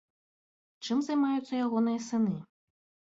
Чым займаюцца ягоныя сыны?